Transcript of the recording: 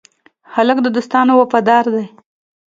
هلک د دوستانو وفادار دی.